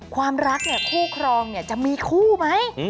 ความรักคู่ครองจะมีคู่ไหม